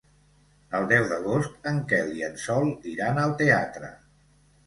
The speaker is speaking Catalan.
El deu d'agost en Quel i en Sol iran al teatre.